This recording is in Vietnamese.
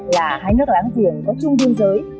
là hai nước láng giềng có chung biên giới